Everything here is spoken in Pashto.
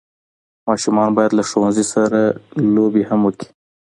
ماشومان باید له ښوونځي سره لوبي هم وکړي.